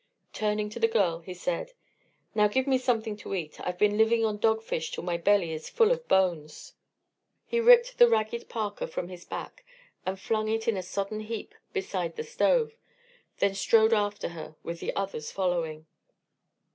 Turning to the girl, he said: "Now give me something to eat. I've been living on dog fish till my belly is full of bones." He ripped the ragged parka from his back and flung it in a sodden heap beside the stove; then strode after her, with the others following.